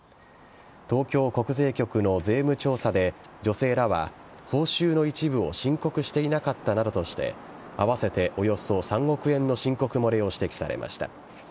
東京国税局の税務調査で女性らは、報酬の一部を申告していなかったなどとして合わせておよそ３億円の申告漏れを指摘されました。